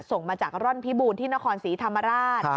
ส่งมาจากร่อนพิบูรณที่นครศรีธรรมราช